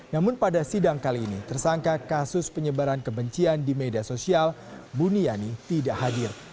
namun pada sidang kali ini tersangka kasus penyebaran kebencian di media sosial buniani tidak hadir